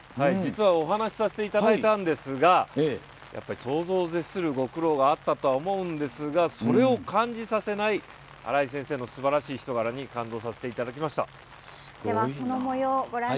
実はお話させていただいたんですがやっぱり想像を絶するご苦労があったとは思うんですがそれを感じさせない新井先生のすばらしい人柄に感動させていただきました。